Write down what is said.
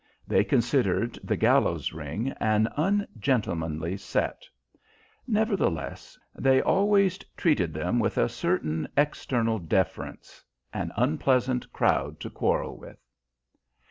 They considered "The Gallows Ring" an ungentlemanly set; nevertheless, they always treated them with a certain external deference an unpleasant crowd to quarrel with.